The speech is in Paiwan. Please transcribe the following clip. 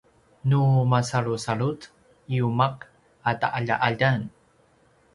nu masalusalut yuma’ a ta’alja’aljan